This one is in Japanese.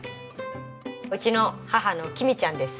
うちの母のキミちゃんです。